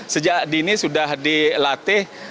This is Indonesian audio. sejak dini sudah dilatih